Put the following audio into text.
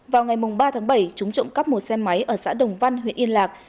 vào ngày ba tháng bảy chúng trộm cắp một xe máy ở xã đồng văn huyện yên lạc